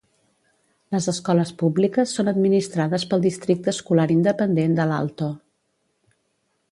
Les escoles públiques són administrades pel districte escolar independent de l'Alto.